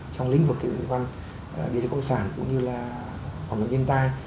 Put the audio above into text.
trong lĩnh vực thủy văn địa phương công sản cũng như là phòng đồng nhân tài